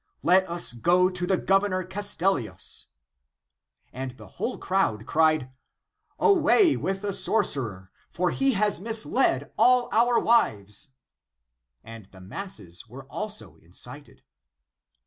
Let us go to the Governor Castellius !" And the whole crowd cried, " Away with the sorcerer ! for he has misled all our wives," and the masses were also incited.